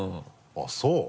あっそう。